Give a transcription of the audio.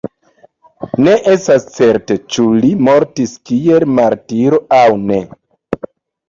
Ne estas certe ĉu li mortis kiel martiro aŭ ne.